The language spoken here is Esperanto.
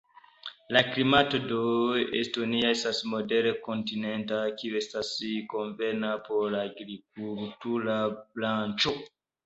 La klimato de Estonio estas modere kontinenta, kio estas konvena por la agrikultura branĉo.